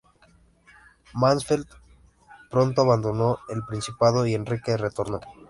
Mansfeld pronto abandonó el principado, y Enrique retornó.